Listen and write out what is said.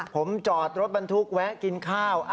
ผมจอดรถบรรทุกแวะกินข้าว